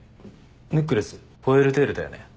ネックレスホエールテールだよね？